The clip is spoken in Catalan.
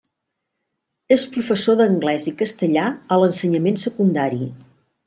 És professor d’anglès i castellà a l’ensenyament secundari.